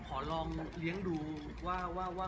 ขอลองเลี้ยงดูว่า